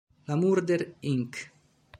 La Murder Inc.